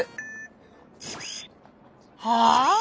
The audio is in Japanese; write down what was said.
はあ？